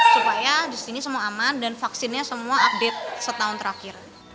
supaya di sini semua aman dan vaksinnya semua update setahun terakhir